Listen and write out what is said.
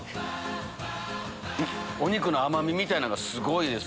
お肉の甘みみたいなんがすごいです。